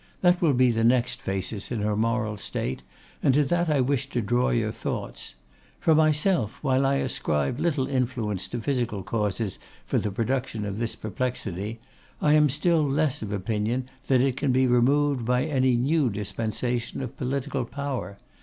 That will be the next phasis in her moral state, and to that I wish to draw your thoughts. For myself, while I ascribe little influence to physical causes for the production of this perplexity, I am still less of opinion that it can be removed by any new disposition of political power.